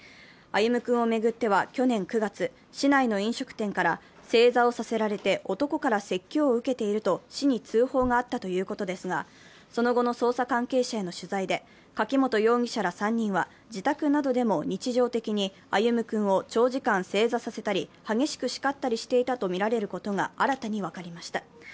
歩夢君を巡っては去年９月、市内の飲食店から正座をさせられて、男から説教を受けていると市に通報があったということですが、その後の捜査関係者への取材で柿本容疑者ら３人は自宅などでも日常的に歩夢君を長時間、正座させたり、激しく叱ったりしていたとみられることが新たに分かりました。